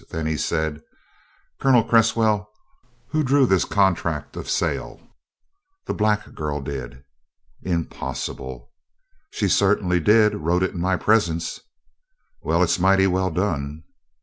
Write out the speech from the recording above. Then he said: "Colonel Cresswell, who drew this contract of sale?" "The black girl did." "Impossible!" "She certainly did wrote it in my presence." "Well, it's mighty well done."